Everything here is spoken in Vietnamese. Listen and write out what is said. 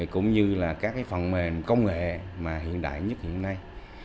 cũng như các phần mềm công nghệ hiện đại nhất hiện nay